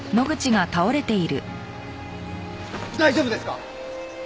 大丈夫ですか！？